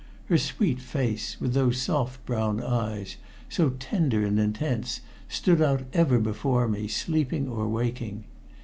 Her sweet face, with those soft, brown eyes, so tender and intense, stood out ever before me, sleeping or waking.